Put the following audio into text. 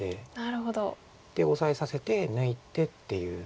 でオサえさせて抜いてっていう。